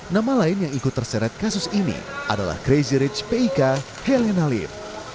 nama lain yang ikut terseret kasus ini adalah crazy rich p i k helena lim